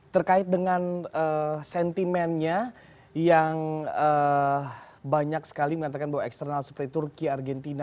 terkait dengan sentimennya yang banyak sekali mengatakan bahwa eksternal seperti turki argentina